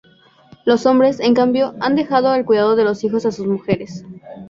Los hombres, en cambio, han dejado el cuidado de los hijos a sus mujeres.